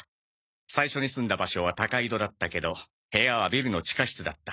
最初に住んだ場所は高井戸だったけど部屋はビルの地下室だった。